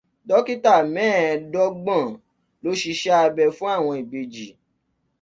Dókítà mẹ́ẹ̀dọ́gbọ̀n ló síṣẹ́ abẹ fún àwọn ìbejì.